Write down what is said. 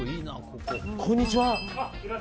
こんにちは。